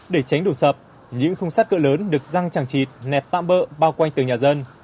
để tránh đổ sập những khung sát cỡ lớn được răng chẳng chịt nẹp tạm bỡ bao quanh tường nhà dân